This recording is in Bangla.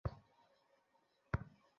আর কে অতীতে আটকে আছে জানো?